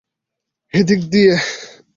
এই দিকে দিয়ে।